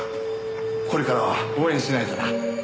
これからは応援しないとな。